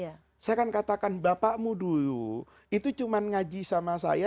karena saya akan katakan bapakmu dulu itu cuma ngaji sama saya